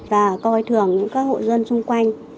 và coi thường các hội dân xung quanh